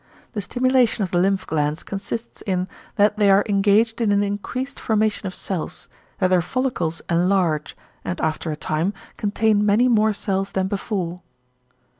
The stimulation of the lymph glands consists in "that they are engaged in an increased formation of cells, that their follicles enlarge, and after a time contain many more cells than before."